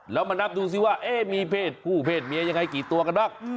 แล้วมานับดูซิว่ามีเพศผู้เพศเมียยังไงกี่ตัวกันบ้าง